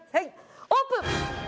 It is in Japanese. オープン。